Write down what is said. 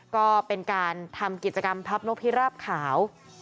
ก็เป็นการทำกิจกรรมพับนกพิราบขาว